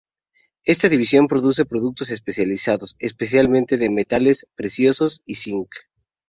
Esta división produce productos especializados, especialmente de metales preciosos y zinc.